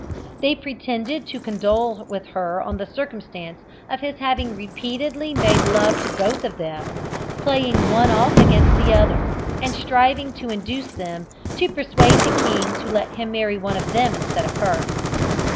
They pretended to condole with her on the circumstance of his having repeatedly made love to both of them, playing one off against the other, and striving to induce them to persuade the king to let him marry one of them instead of her.